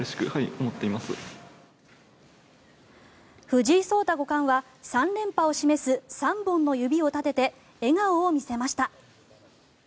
藤井聡太五冠は３連覇を示す３本の指を立てて笑顔を見せました。